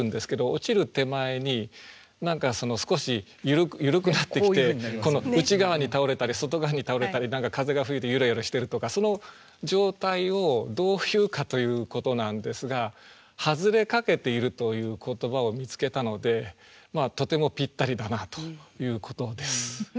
落ちる手前に何か少し緩くなってきて内側に倒れたり外側に倒れたり風が吹いてゆらゆらしてるとかその状態をどう言うかということなんですが外れかけているという言葉を見つけたのでとてもぴったりだなということです。